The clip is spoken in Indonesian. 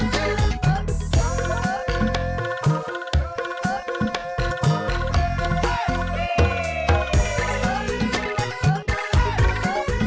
salah satu ya